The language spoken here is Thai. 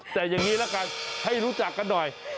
แต่อย่างนี้ละกันให้รู้จักกันหน่อย